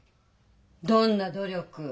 どんな努力？